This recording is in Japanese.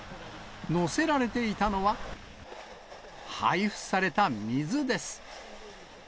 載せられていたのは、配布された水です。